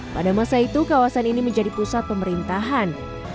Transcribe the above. pada masa itu kawasan ini menjadi pusat pemerintahan